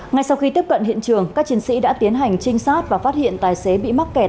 ngay sau khi tiếp cận hiện trường các chiến sĩ đã tiến hành trinh sát và phát hiện tài xế bị mắc kẹt